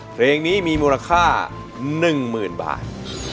เพลงนี้มีมูลค่า๑๐๐๐บาท